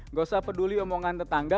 nggak usah peduli omongan tetangga